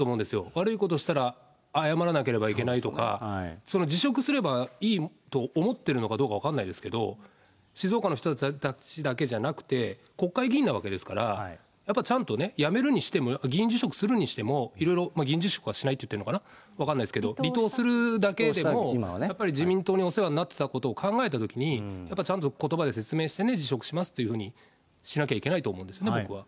悪いことしたら、謝らなければいけないとか、辞職すればいいと思ってるのかどうか分かんないですけれども、静岡の人たちだけじゃなくて、国会議員なわけですから、やっぱちゃんとね、辞めるにしても、議員辞職するにしても、いろいろ議員辞職はしないって言ってるのかな、分かんないですけど、離党するだけでも、やっぱり自民党にお世話になってたことを考えたときに、やっぱちゃんとことばで説明してね、辞職しますっていうふうにしなきゃいけないと思うんですね、僕は。